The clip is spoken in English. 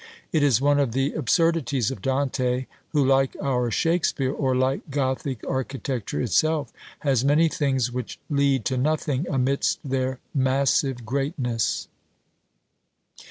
It is one of the absurdities of Dante, who, like our Shakspeare, or like Gothic architecture itself, has many things which "lead to nothing" amidst their massive greatness.